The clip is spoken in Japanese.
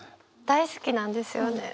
大好きなんですよね。